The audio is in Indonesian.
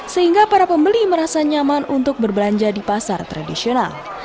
sehingga para pembeli merasa nyaman untuk berbelanja di pasar tradisional